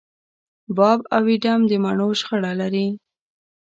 باب او اېډم د مڼو شخړه لري.